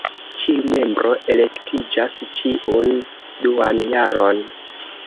Ĉiu membro elektiĝas ĉiun duan jaron.